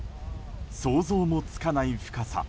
想像もつかない深さ。